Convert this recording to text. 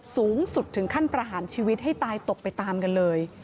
สูงสุดถึงขั้นประหารชีวิตให้ตายตกไปตามกันเลย